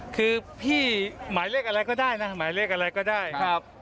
คือพี่หมายเลขอะไรก็ได้นะหมายเลขอะไรก็ได้ครับ